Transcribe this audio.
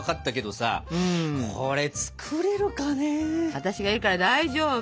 私がいるから大丈夫！